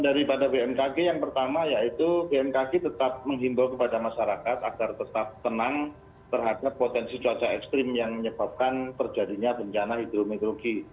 daripada bmkg yang pertama yaitu bmkg tetap menghimbau kepada masyarakat agar tetap tenang terhadap potensi cuaca ekstrim yang menyebabkan terjadinya bencana hidrometeorologi